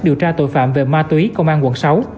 điều tra tội phạm về ma túy công an quận sáu